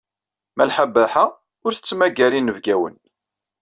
Malḥa Baḥa ur tettmagar inebgawen.